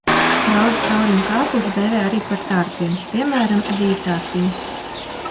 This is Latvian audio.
Daudzus tauriņu kāpurus dēvē arī par tārpiem, piemēram, zīdtārpiņus.